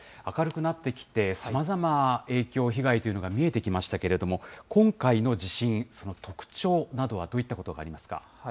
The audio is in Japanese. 明るくなってきて、さまざま影響、被害というのが見えてきましたけれども、今回の地震、その特徴などはどういったことがありますか。